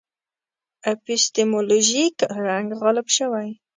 اپیستیمولوژیک رنګ غالب شوی.